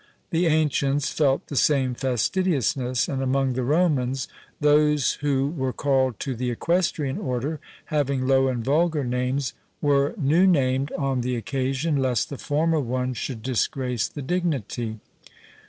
The ancients felt the same fastidiousness; and among the Romans, those who were called to the equestrian order, having low and vulgar names, were new named on the occasion, lest the former one should disgrace the dignity.